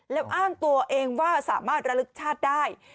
แล้วอ้างตัวเองว่าสามารถระลึกชาติได้